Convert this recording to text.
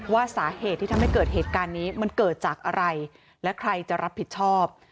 ว่าสาเหตุที่ทำให้เกิดเหตุการณ์นี้มันเกิดจากอะไรและใครจะรับผิดชอบ